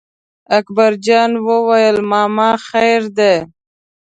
اکبر جان وویل: ماما خیر دی.